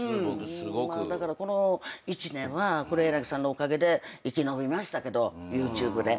だからこの一年は黒柳さんのおかげで生き延びましたけどＹｏｕＴｕｂｅで。